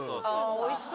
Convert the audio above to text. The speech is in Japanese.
おいしそう。